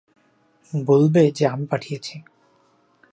বলবে যে আমি পাঠিয়েছি।